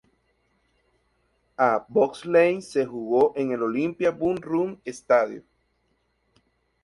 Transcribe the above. A bobsleigh se jugó en el Olympia Bob Run St.